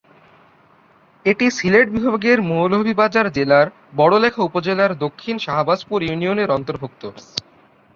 এটি সিলেট বিভাগের মৌলভীবাজার জেলার বড়লেখা উপজেলার দক্ষিণ শাহবাজপুর ইউনিয়নের অন্তর্ভুক্ত।